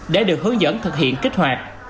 để được hướng dẫn thực hiện kích hoạt